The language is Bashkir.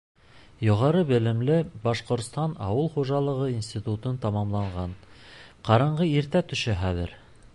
Юғары белемле — Башҡортостан ауыл хужалығы институтын тамамлаған. Ҡараңғы иртә төшә хәҙер.